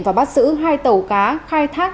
và bắt giữ hai tàu cá khai thác